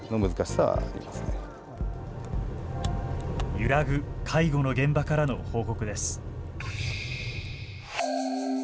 揺らぐ介護の現場からの報告です。